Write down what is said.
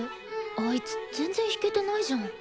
あいつ全然弾けてないじゃん。